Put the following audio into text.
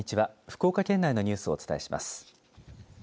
福岡県内のニュースをお伝えします。